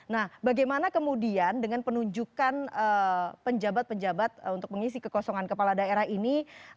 nah bagaimana kemudian dengan penunjukan penjabat penjabat untuk mengisi kekosongan kepala daerah ini